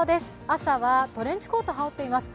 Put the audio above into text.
朝はトレンチコートを羽織っています。